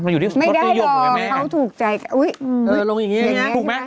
อยู่ที่สัตว์ตีหยมกับแม่